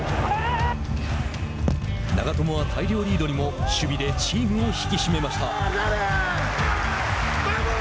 長友は大量リードにも守備でチームを引き締めました。